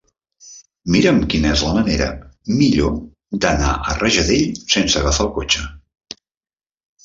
Mira'm quina és la millor manera d'anar a Rajadell sense agafar el cotxe.